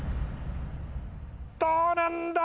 どうなんだ？